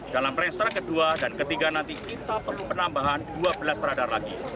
dalam rangsa kedua dan ketiga nanti kita perlu penambahan dua belas radar lagi